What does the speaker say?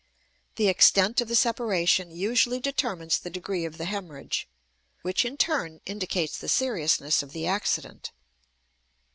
The extent of the separation usually determines the degree of the hemorrhage, which in turn indicates the seriousness of the accident.